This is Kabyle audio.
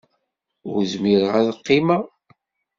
Ur zmireɣ ad qqimeɣ.